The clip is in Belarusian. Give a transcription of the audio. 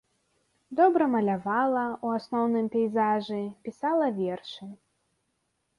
Добра малявала, у асноўным пейзажы, пісала вершы.